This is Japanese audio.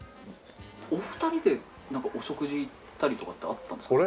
お二人でお食事行ったりとかってあったんですか？